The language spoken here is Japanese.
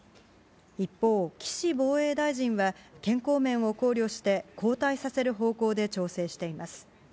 一方、岸防衛大臣は、健康面を考慮して、交代させる方向で調整しています。